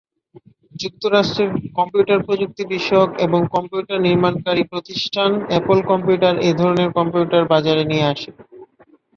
যুক্তরাষ্ট্রের কম্পিউটার প্রযুক্তি বিষয়ক এবং কম্পিউটার নির্মাণকারী প্রতিষ্ঠান অ্যাপল কম্পিউটার এ ধরনের কম্পিউটার বাজারে নিয়ে আসে।